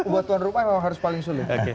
buat tuan rumah memang harus paling sulit